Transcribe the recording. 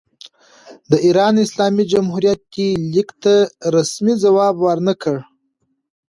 د ایران اسلامي جمهوریت دې لیک ته رسمي ځواب ور نه کړ.